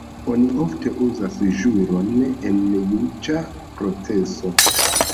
Oni ofte uzas ĵuron en juĝa proceso.